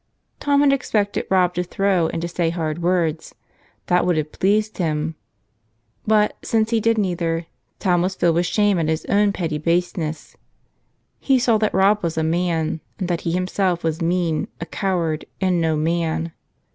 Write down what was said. Tom had expected Rob to throw and to say hard words. That would have pleased him. But, since he did neither, Tom was filled with shame at his own petty baseness. He saw that Rob was a man, and that he himself was mean, a coward, and no man.